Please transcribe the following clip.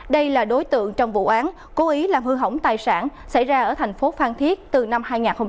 đây là đối tượng trong vụ án cố ý làm hư hỏng tài sản xảy ra ở thành phố phan thiết từ năm hai nghìn một mươi ba